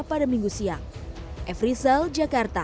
pada minggu siang efrisel jakarta